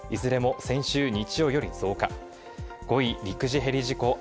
いずれも先週日曜より増加。